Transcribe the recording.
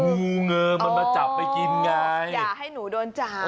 งูเงิมมันมาจับไปกินไงอย่าให้หนูโดนจับ